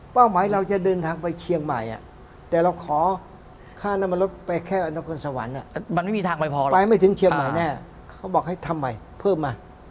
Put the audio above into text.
เป้าหมายเราจะเดินทางไปเชียงใหม่